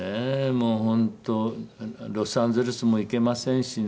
もう本当ロサンゼルスも行けませんしね。